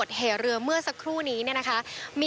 สวัสดีครับ